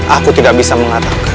aku tidak bisa mengatak